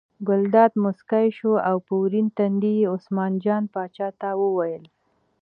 ګلداد موسکی شو او په ورین تندي یې عثمان جان پاچا ته وویل.